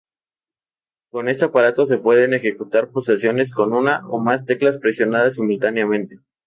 Con este aparato se pueden ejecutar pulsaciones con una o más teclas presionadas simultáneamente.